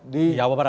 di jawa barat ya